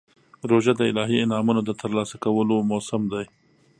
روژه د الهي انعامونو ترلاسه کولو موسم دی.